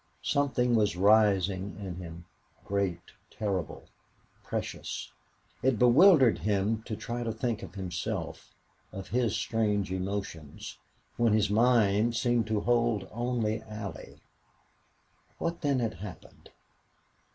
Something was rising in him great terrible precious. It bewildered him to try to think of himself, of his strange emotions, when his mind seemed to hold only Allie. What then had happened?